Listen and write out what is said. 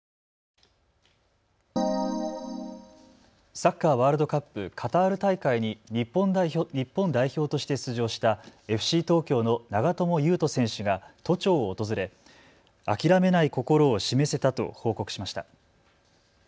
サッカーワールドカップカタール大会に日本代表として出場したＦＣ東京の長友佑都選手が都庁を訪れ諦めない心を示せたと報告しました。